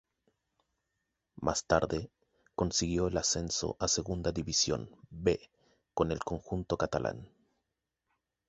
Más tarde, consiguió el ascenso a segunda división "B" con el conjunto catalán.